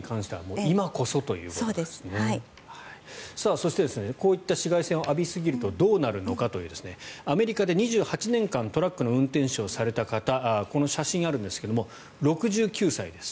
そしてこういった紫外線を浴びすぎるとどうなるのかというアメリカで２８年間トラックの運転手をされた方写真があるんですが６９歳です。